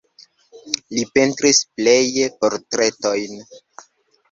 Li pentris pleje portretojn.